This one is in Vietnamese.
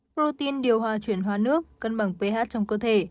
protein điều hòa chuyển hóa nước cân bằng ph trong cơ thể